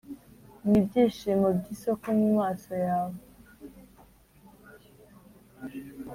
n'ibyishimo by'isoko mumaso yawe.